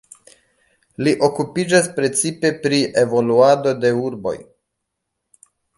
Li okupiĝas precipe pri evoluado de urboj.